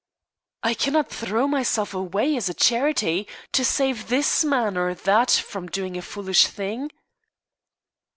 "I cannot throw myself away as a charity to save this man or that from doing a foolish thing."